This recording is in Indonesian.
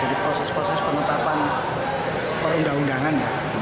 jadi proses proses penetapan perundang undangan